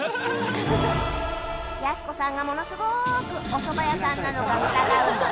やす子さんがものすごくおそば屋さんなのか疑うので